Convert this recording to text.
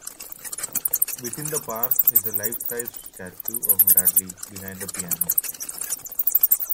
Within the park is a life-size statue of Bradley behind a piano.